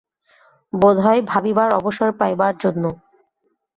বোধ হয় ভাবিবার অবসর পাইবার জন্য।